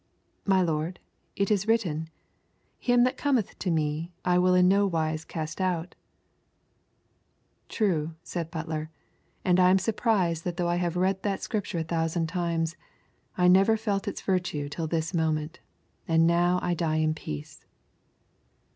'My lord, it is written, "Him that cometh to Me, I will in no wise cast out."' 'True,' said Butler, 'and I am surprised that though I have read that Scripture a thousand times, I never felt its virtue till this moment, and now I die in peace.'